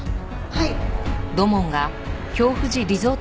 はい。